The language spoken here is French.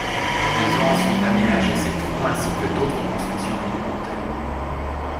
Ils ont ensuite aménagé ces troncs ainsi que d'autres constructions rudimentaires.